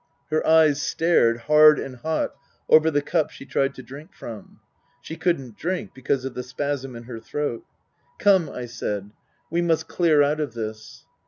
Her eyes stared, hard and hot, over the cup she tried to drink from. She couldn't drink because of the spasm in her throat. " Come," I said, " we must clear out of this."